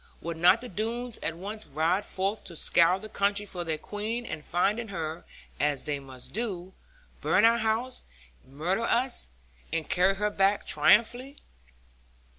Would not the Doones at once ride forth to scour the country for their queen, and finding her (as they must do), burn our house, and murder us, and carry her back triumphantly?